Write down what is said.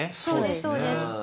そうですそうです。